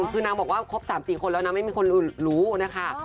คือนางบอกว่าครบ๓๔คนแล้วนะไม่มีคนรู้นะคะ